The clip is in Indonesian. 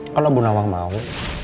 kalau bundawang mau